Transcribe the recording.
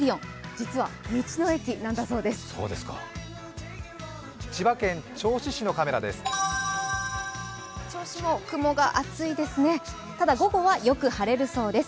実は道の駅なんだそうです。